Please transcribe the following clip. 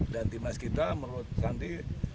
dan timnas kita menurut sandi